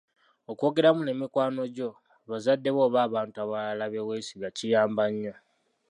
Okwogeramu ne mikwano gyo, bazadde bo oba abantu abalala be weesiga kiyamba nnyo.